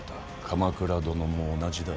鎌倉殿も同じだ。